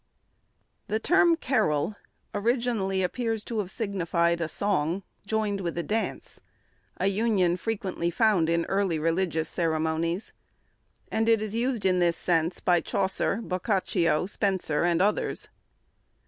THE term carol, appears originally to have signified a song, joined with a dance, a union frequently found in early religious ceremonies; and it is used in this sense by Chaucer, Boccacio, Spenser, and others.